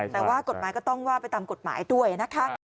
แต่ว่ากฎหมายก็ต้องว่าไปตามกฎหมายด้วยนะคะ